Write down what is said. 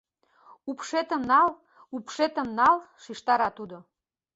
— Упшетым нал, упшетым нал, — шижтара тудо.